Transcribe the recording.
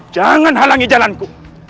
jangan halangi jalanku